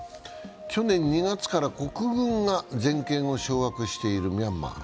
去年２月から国軍が全権を掌握しているミャンマー。